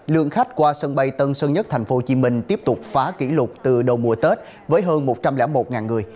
lượng khách qua sân bay tân sơn nhất tp hcm tiếp tục phá kỷ lục từ đầu mùa tết với hơn một trăm linh một người